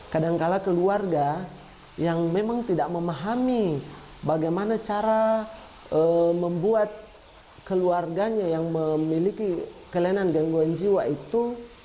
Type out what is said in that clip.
kadangkala keluarga yang memang tidak memahami bagaimana cara membuat keluarganya yang memiliki kelainan gangguan jiwa itu